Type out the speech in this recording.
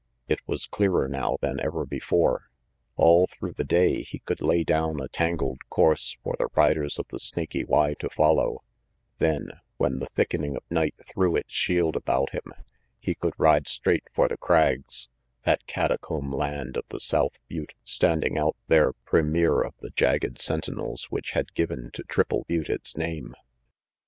It was clearer now than ever before. All through the day he could lay down a tangled course for the riders of the Snaky Y to follow, then, when the thickening of night threw its shield about him, he could ride straight for the Crags, that catacomb land of the south butte standing out there premier of the jagged sentinels which had given to Triple Butte its name.